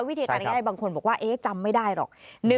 วิธีการแบบนี้บางคนบอกว่าเอ๊ะจำไม่ได้หรอก